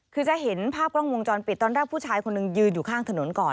คือจะเห็นภาพกล้องวงจรปิดตอนแรกผู้ชายคนหนึ่งยืนอยู่ข้างถนนก่อน